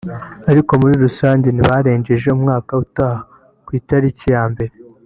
ariko muri rusange ntibarengeje umwaka utaha ku itariki ya mbere